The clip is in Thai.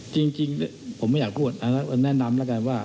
จริงผมไม่อยากพูดแนะนำแล้วกันว่า